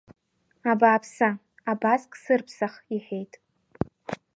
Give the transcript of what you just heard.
Абаасԥы, абазк сырԥсах, — иҳәеит.